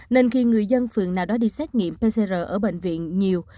nên khi người dân phường nào đó đi xét nghiệm pcr ở bệnh viện nhiều